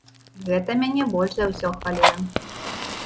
Гэта мяне больш за ўсё хвалюе.